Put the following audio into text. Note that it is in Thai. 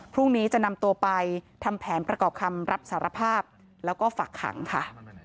พรุ่งนี้จะนำตัวไปทำแผนประกอบคำรับสารภาพแล้วก็ฝักขังค่ะ